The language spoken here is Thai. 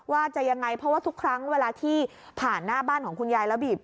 ว่าจะยังไงเพราะว่าทุกครั้งเวลาที่ผ่านหน้าบ้านของคุณยายแล้วบีบ